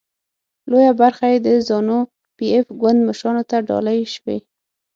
لویه برخه یې د زانو پي ایف ګوند مشرانو ته ډالۍ شوې.